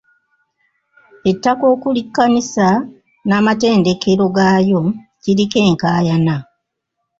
Ettaka okuli kkanisa n'amatendekero gaayo kiriko enkaayana.